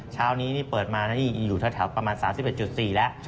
เช้านี้เปิดมาอยู่แถวประมาณ๓๑๔บาทแล้ว